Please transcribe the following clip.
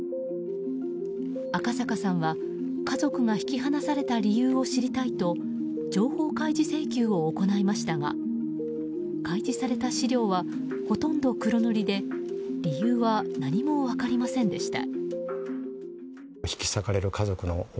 赤阪さんは、家族が引き離された理由を知りたいと情報開示請求を行いましたが開示された資料はほとんど黒塗りで理由は何も分かりませんでした。